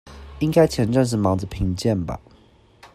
應該前陣子忙著評鑑吧